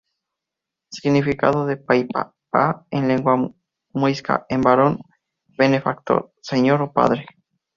Significado de Paipa: "Pa", en lengua muisca, es ‘varón’, ‘benefactor’, ‘señor’ o ‘padre’.